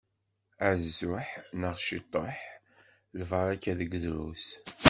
Azuḥ neɣ ciṭuḥ, lbaraka deg drus.